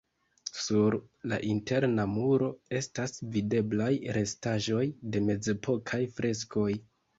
Sur la interna muro estas videblaj restaĵoj de mezepokaj freskoj.